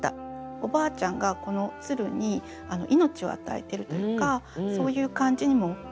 おばあちゃんがこの鶴に命を与えてるというかそういう感じにも見えてくる